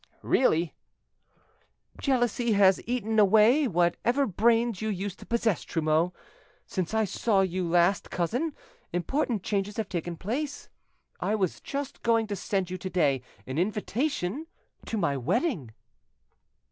"Really." "Jealousy has eaten away whatever brains you used to possess, Trumeau. Since I saw you last, cousin, important changes have taken place: I was just going to send you to day an invitation to my wedding."